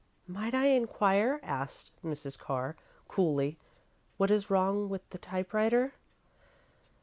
"Might I inquire," asked Mrs. Carr, coolly, "what is wrong with the typewriter?"